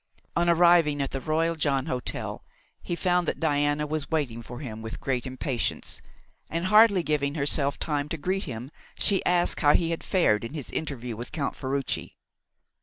On arriving at the Royal John Hotel he found that Diana was waiting for him with great impatience; and hardly giving herself time to greet him, she asked how he had fared in his interview with Count Ferruci.